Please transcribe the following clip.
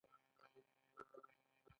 اوولسمه پوښتنه د مدیریت د خصوصیاتو په اړه ده.